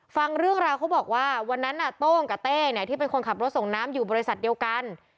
ฟังเรื่องราวเขาบอกว่าวันนั้นโต้งกับเต้ที่เป็นคนขับรถส่งน้ำอยู่บริษัทเดียวกัน